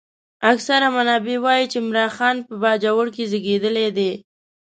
اکثر منابع وايي چې عمرا خان په باجوړ کې زېږېدلی دی.